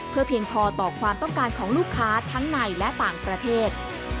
เพื่อเพียงพอต่อความต้องการของลูกค้าทั้งในและต่างประเทศ